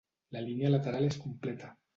La línia lateral és completa.